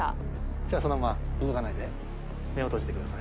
じゃあそのまま動かないで目を閉じてください。